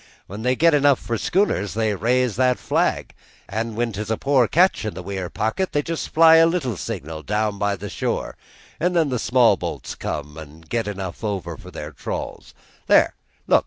"When they get enough for schooners they raise that flag; an' when 'tis a poor catch in the weir pocket they just fly a little signal down by the shore, an' then the small bo'ts comes and get enough an' over for their trawls. There, look!